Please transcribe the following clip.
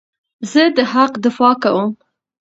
زه د حق دفاع کوم.